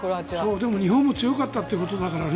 でも、日本も強かったということだからね。